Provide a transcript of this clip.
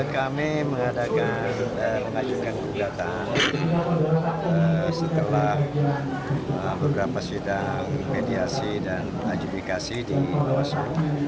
kami mengadakan mengajukan gugatan setelah beberapa sidang mediasi dan adjudikasi di bawaslu